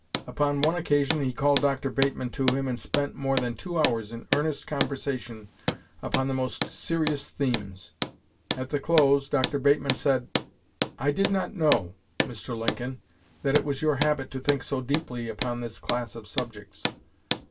Upon one occasion he called Dr. Bateman to him, and spent more than two hours in earnest conversation upon the most serious themes. At the close, Dr. Bateman said: "I did not know, Mr. Lincoln, that it was your habit to think so deeply upon this class of subjects."